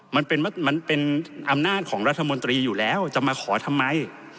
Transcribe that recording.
มันเป็นอำนาจของรัฐมนตรีอยู่แล้วจะมาขอทำไม